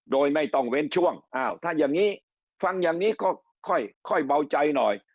โดยไม่ต้องเว้นช่วงถ้าฟังอย่างนี้ก็ค่อยเบาใจหน่อย